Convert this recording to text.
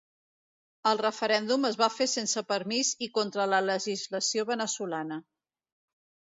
El referèndum es va fer sense permís i contra la legislació veneçolana.